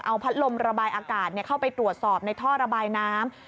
เอาพัดลมระบายอากาศเข้าไปตรวจสอบในท่อระบายน้ำ